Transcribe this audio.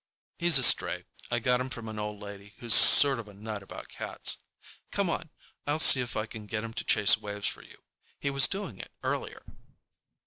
"He's a stray. I got him from an old lady who's sort of a nut about cats. Come on, I'll see if I can get him to chase waves for you. He was doing it earlier."